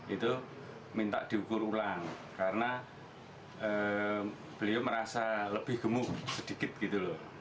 itu minta diukur ulang karena beliau merasa lebih gemuk sedikit gitu loh